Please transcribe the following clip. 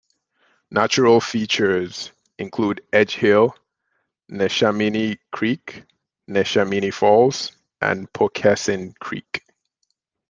Natural features include Edge Hill, Neshaminy Creek, Neshaminy Falls, and Poquessing Creek.